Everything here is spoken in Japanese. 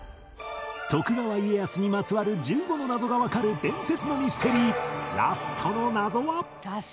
徳川家康にまつわる１５の謎がわかる伝説のミステリーラストの謎は